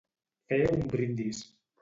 Fer un brindis.